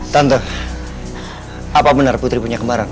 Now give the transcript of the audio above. tante apa benar putri punya kemarang